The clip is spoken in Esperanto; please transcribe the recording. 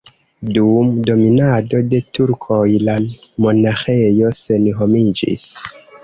Dum dominado de turkoj la monaĥejo senhomiĝis.